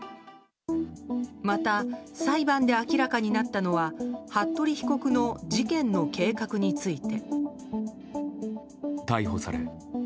また、裁判で明らかになったのは服部被告の事件の計画について。